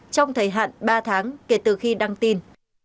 trong thời hạn ba tháng kể từ khi đăng tin